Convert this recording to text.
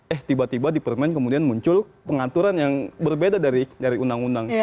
eh tiba tiba di permen kemudian muncul pengaturan yang berbeda dari undang undang